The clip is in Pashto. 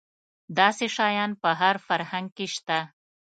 داسې شیان په هر فرهنګ کې شته.